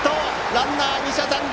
ランナー、２者残塁！